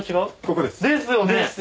ですよね！